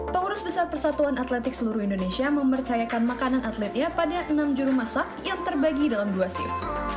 pengurus besar persatuan atletik seluruh indonesia mempercayakan makanan atletnya pada enam juru masak yang terbagi dalam dua siup